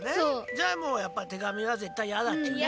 じゃあもうやっぱ手紙はぜったいいやだっちよね。